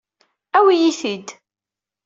Awi-yi-t-id.